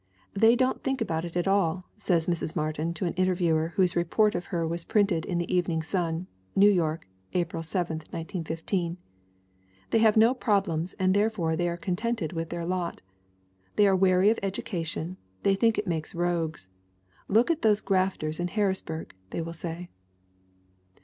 "They don't think about it at all," said Mrs. Martin to an interviewer whose report of her was printed in the Evening Sun, New York, April 7, 1915. "They have no problems and therefore they are contented with their lot. They are wary of education ; they think it makes rogues. 'Look at those grafters in Harris burg!' they will say."